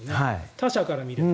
他者から見れば。